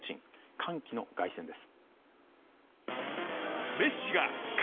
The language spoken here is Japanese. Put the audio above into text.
歓喜の凱旋です。